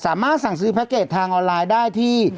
สามารถสั่งซื้อแพ็คเกจทางออนไลน์ได้ที่